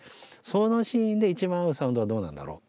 そのシーンで一番合うサウンドはどうなんだろう？